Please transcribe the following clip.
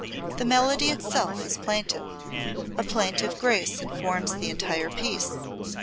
The melody itself is plaintive; a plaintive grace informs the entire piece.